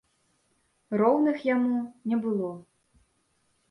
Роўных яму не было!